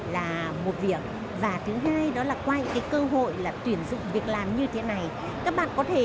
là một việc và thứ hai đó là quay cái cơ hội là tuyển dụng việc làm như thế này các bạn có thể